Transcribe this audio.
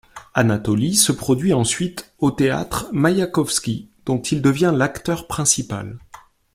Anatoli se produit ensuite au Théâtre Maïakovski dont il devient l'acteur principal.